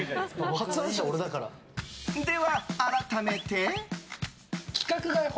では、改めて。